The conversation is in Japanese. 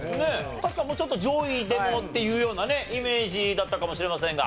確かにもうちょっと上位でもっていうようなねイメージだったかもしれませんが。